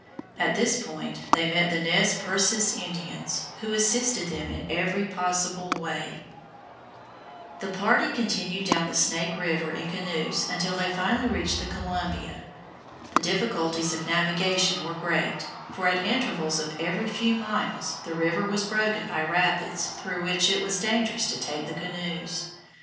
At this point they met the Nez Percés Indians, who assisted them in every possible way. [Illustration: FIG. 69. CELILO FALLS, COLUMBIA RIVER] The party continued down the Snake River in canoes until they finally reached the Columbia. The difficulties of navigation were great, for at intervals of every few miles the river was broken by rapids through which it was dangerous to take the canoes.